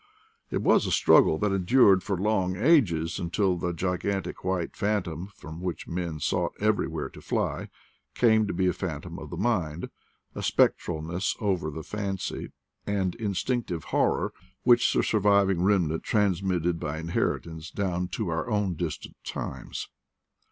It was a struggle that endured for long ages, until the gigantic white phantom, from which men sought everywhere to fly, came to be a phantom of the mind, a speo tralness over the fancy, and instinctive horror, which the surviving remnant transmitted by in heritance down to our own distant times.